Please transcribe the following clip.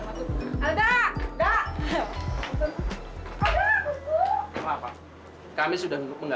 tiga bulan knocked out petunjuknya